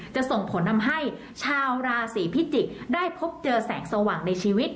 จะส่งผลทำให้ชาวราศีพิจิกษ์ได้พบเจอแสงสว่างในชีวิต